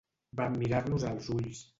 Vam mirar-nos als ulls.